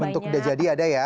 bentuk udah jadi ada ya